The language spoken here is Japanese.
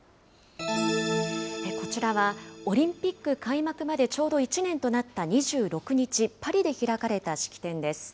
こちらは、オリンピック開幕までちょうど１年となった２６日、パリで開かれた式典です。